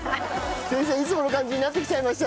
先生いつもの感じになってきちゃいました。